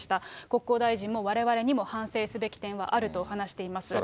国交大臣も、われわれにも反省すべき点はあると話しています。